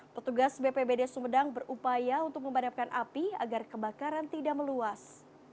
petugas bpbd sumedang berupaya untuk memadamkan api agar kebakaran tidak meluas